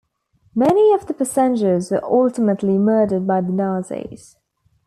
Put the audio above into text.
Many of the passengers were ultimately murdered by the Nazis.